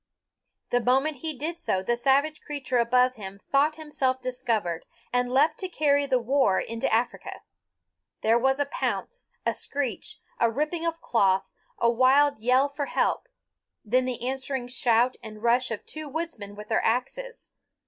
The moment he did so the savage creature above him thought himself discovered, and leaped to carry the war into Africa. There was a pounce, a screech, a ripping of cloth, a wild yell for help; then the answering shout and rush of two woodsmen with their axes.